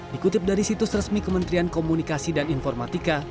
dikutip dari situs resmi kementerian komunikasi dan informatika